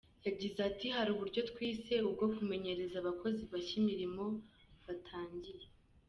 Yagize ati “Hari uburyo twise ubwo kumenyereza abakozi bashya imirimo batangiye.